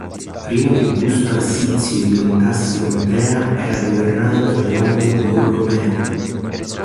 Prima che Busto Arsizio diventasse contea, era governata da Giovanni Borromeo.